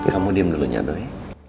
kamu diam dulunya doi